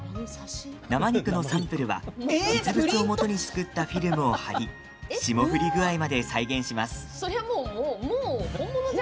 生肉のサンプルは実物を元に作ったフィルムを貼り霜降り具合まで再現します。